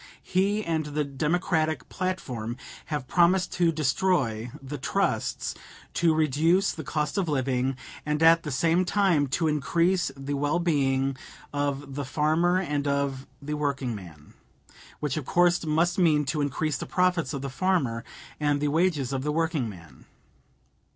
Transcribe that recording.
He and the Democratic platform have promised to destroy the trusts, to reduce the cost of living, and at the same time to increase the well being of the farmer and of the workingman which of course must mean to increase the profits of the farmer and the wages of the workingman.